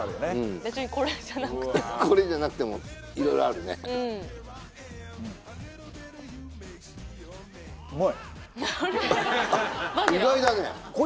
別にこれじゃなくてもこれじゃなくても色々あるねうんあれ？